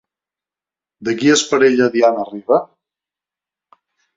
De qui és parella Diana Riba?